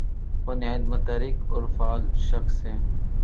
وہ نہایت متحرک اور فعال شخص ہیں۔